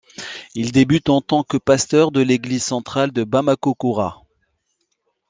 Il débute en tant que Pasteur de l’église centrale de Bamako-Coura.